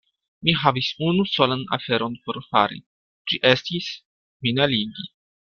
Mi havis unu solan aferon por fari: ĝi estis, min eligi.